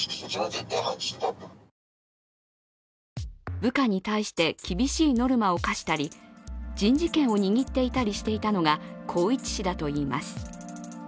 部下に対して厳しいノルマを課したり、人事権を握っていたりしていたのが宏一氏だといいます。